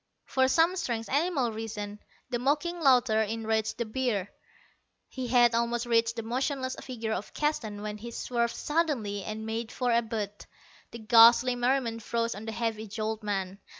For some strange animal reason, the mocking laughter enraged the bear. He had almost reached the motionless figure of Keston when he swerved suddenly, and made for Abud. The ghastly merriment froze on the heavy jowled man.